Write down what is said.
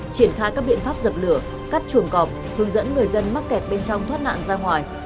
triển khai các biện pháp dập lửa cắt chuồng cọp hướng dẫn người dân mắc kẹt bên trong thoát nạn ra ngoài